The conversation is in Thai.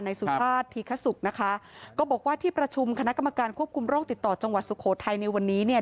สุชาติธีคสุกนะคะก็บอกว่าที่ประชุมคณะกรรมการควบคุมโรคติดต่อจังหวัดสุโขทัยในวันนี้เนี่ย